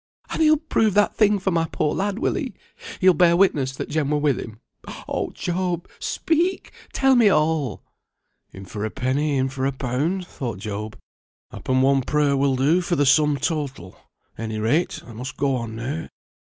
"And he'll prove that thing for my poor lad, will he? He'll bear witness that Jem were with him? Oh, Job, speak! tell me all!" "In for a penny, in for a pound," thought Job. "Happen one prayer will do for the sum total. Any rate, I must go on now.